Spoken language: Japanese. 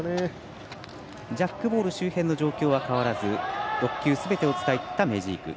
ジャックボール周辺の状況は変わらず６球すべて使ったメジーク。